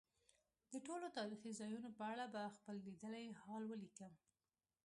د ټولو تاریخي ځایونو په اړه به خپل لیدلی حال ولیکم.